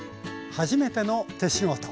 「はじめての手仕事」。